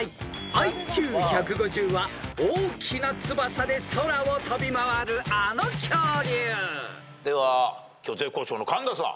［ＩＱ１５０は大きな翼で空を飛び回るあの恐竜］では今日絶好調の神田さん。